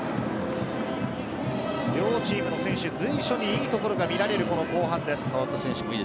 両チームの選手、随所にいいところが見られる後半です。